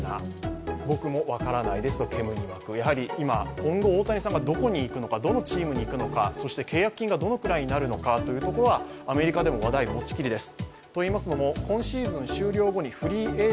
今後大谷さんがどこに行くのか、どのチームに行くのか、そして契約金がどのくらいになるのかというところは、アメリカでも話題もちきりです。